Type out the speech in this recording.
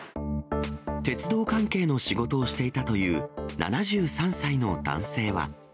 鉄道関係の仕事をしていたという７３歳の男性は。